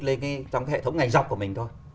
lên trong hệ thống ngành dọc của mình thôi